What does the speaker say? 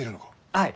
はい。